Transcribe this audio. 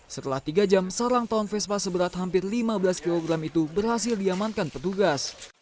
setelah tiga jam sarang tahun vespa seberat hampir lima belas kg itu berhasil diamankan petugas